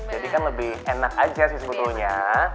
jadi kan lebih enak aja sih sebetulnya